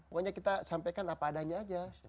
pokoknya kita sampaikan apa adanya aja